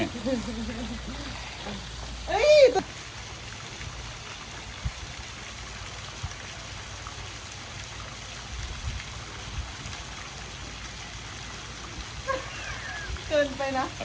คุณด้วยมากมายค่ะ